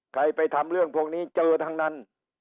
ใครไปทำเรื่องพวกนี้เจอทั้งนั้น